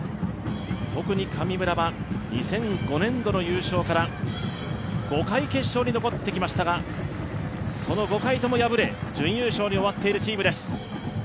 特に神村は２００５年度の優勝から５回決勝に残ってきましたがその５回とも敗れ、準優勝で終わっているチームです。